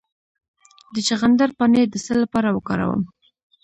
د چغندر پاڼې د څه لپاره وکاروم؟